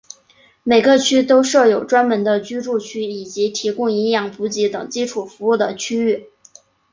每个区都设有专门的居住区以及提供营养补给等基础服务的区域。